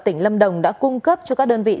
tỉnh lâm đồng đã cung cấp cho các đơn vị